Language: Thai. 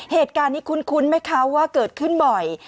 เหตุการณ์นี้คุ้นไหมคะว่าเกิดขึ้นบ่อย